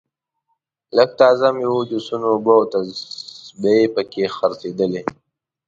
لږه تازه میوه جوسونه اوبه او تسبې په کې خرڅېږي.